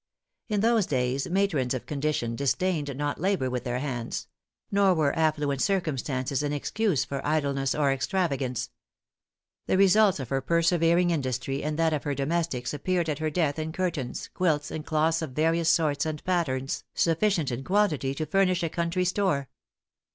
In those days matrons of condition disdained not labor with their hands; nor were affluent circumstances an excuse for idleness or extravagance. The results of her persevering industry and that of her domestics appeared at her death in curtains, quilts, and cloths of various sorts and patterns, sufficient in quantity to furnish a country store.